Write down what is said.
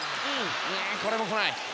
これも来ない。